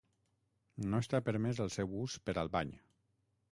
No està permès el seu ús per al bany.